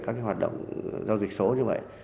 các cái hoạt động giao dịch số như vậy